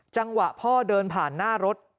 จังหวะพ่อเดินผ่านหน้ารถ